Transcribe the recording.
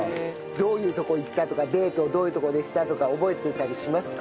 どういうとこ行ったとかデートをどういうとこでしたとか覚えていたりしますか？